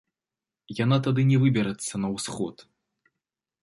Яна тады не выберацца на ўсход.